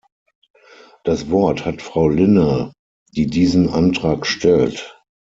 Das Wort hat Frau Lynne, die diesen Antrag stellt.